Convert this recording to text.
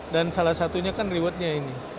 dan salah satunya kan rewardnya ini